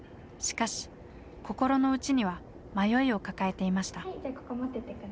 しかし心の内には迷いを抱えていました。